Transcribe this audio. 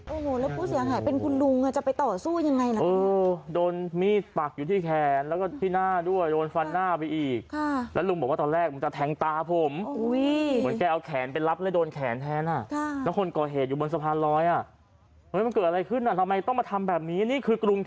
โอ้โหแล้วผู้เสียหายเป็นคุณลุงอ่ะจะไปต่อสู้ยังไงนะโอ้โหโดนมีดปากอยู่ที่แขนแล้วก็ที่หน้าด้วยโดนฟันหน้าไปอีกค่ะแล้วลุงบอกว่าตอนแรกมึงจะแทงตาผมอุ้ยเหมือนแกเอาแขนไปรับแล้วโดนแขนแทนอ่ะค่ะแล้วคนก่อเหตุอยู่บนสะพานร้อยอ่ะมันเกิดอะไรขึ้นอ่ะทำไมต้องมาทำแบบนี้นี่